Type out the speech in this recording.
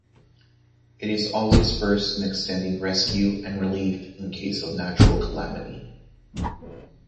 It is always first in extending rescue and relief in case of natural calamity.